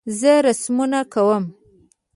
زه رسمونه کوم